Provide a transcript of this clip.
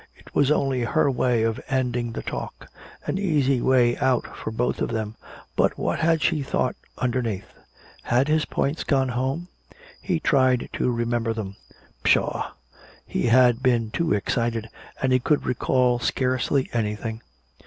It was only her way of ending the talk, an easy way out for both of them. But what had she thought underneath? Had his points gone home? He tried to remember them. Pshaw! He had been too excited, and he could recall scarcely anything.